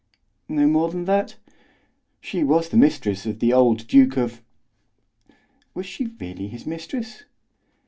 "No more than that?" "She was the mistress of the old Duke of..." "Was she really his mistress?"